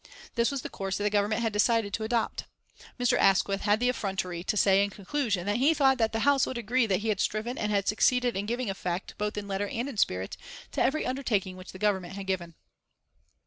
This was the course that the Government had decided to adopt. Mr. Asquith had the effrontery to say in conclusion that he thought that the House would agree that he had striven and had succeeded in giving effect, both in letter and in spirit, to every undertaking which the Government had given.